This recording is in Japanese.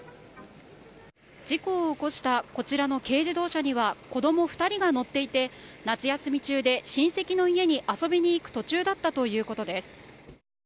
事故を起こしたこちらの軽自動車には子供２人が乗っていて夏休み中で親戚の家に遊びに行く途中だったということです。